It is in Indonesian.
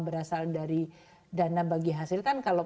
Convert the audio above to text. berasal dari dana bagi hasil kan kalau